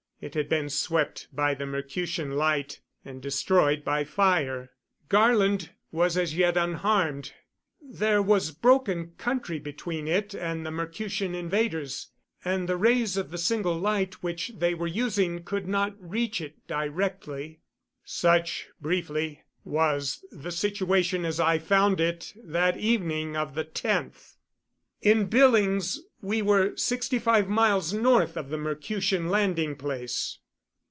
It had been swept by the Mercutian Light and destroyed by fire. Garland was as yet unharmed. There was broken country between it and the Mercutian invaders, and the rays of the single light which they were using could not reach it directly. Such, briefly, was the situation as I found it that evening of the 10th. In Billings we were sixty five miles north of the Mercutian landing place.